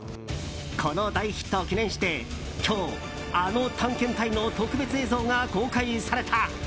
この大ヒットを記念して今日、あの探検隊の特別映像が公開された。